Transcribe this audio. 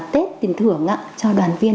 tết tiền thưởng cho đoàn viên